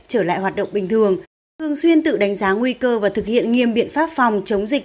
trở lại hoạt động bình thường thường xuyên tự đánh giá nguy cơ và thực hiện nghiêm biện pháp phòng chống dịch